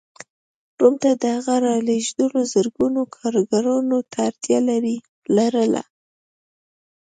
روم ته د هغو رالېږدول زرګونو کارګرانو ته اړتیا لرله.